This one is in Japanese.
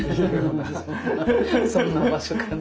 そんな場所かな。